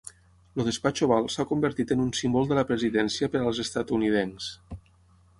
El Despatx Oval s'ha convertit en un símbol de la presidència per als estatunidencs.